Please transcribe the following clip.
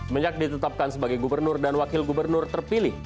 mas andi terima kasih pak selamat bertugas